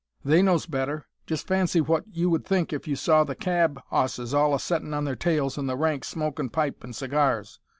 They knows better. Just fancy! what would you think if you saw the cab 'osses all a settin' on their tails in the rank smokin' pipes an' cigars!